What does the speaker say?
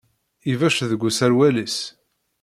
Ibecc deg userwal-is.